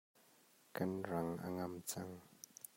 Kan rang a ngam cang.